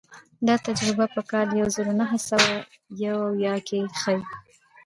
دا تجربه په کال یو زر نهه سوه یو اویا کې ښيي.